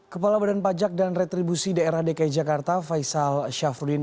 kepala badan pajak dan retribusi dradki jakarta faisal syafrudin